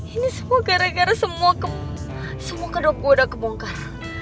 ini semua gara gara semua kedok gue udah kebongkar